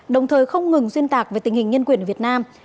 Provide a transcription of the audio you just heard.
đồng thời không ngừng xuyên tạc về tình hình nhân quyền ở việt nam